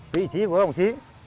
vị trí của đồng chí